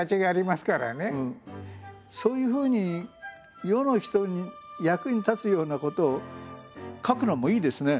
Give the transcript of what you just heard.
だからそこら辺そういうふうに世の人に役に立つようなことを書くのもいいですね。